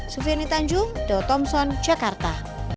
sufiany tanjung the thomson jakarta